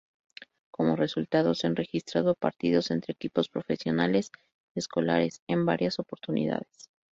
Como resultado, se han registrado partidos entre equipos profesionales y escolares en varias oportunidades.